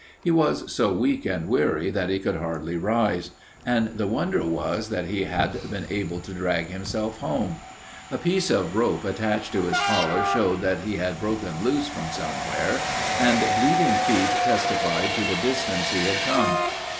He was so weak and weary that he could hardly rise, and the wonder was that he had been able to drag himself home. A piece of rope attached to his collar showed that he had broken loose from somewhere, and bleeding feet testified to the distance he had come.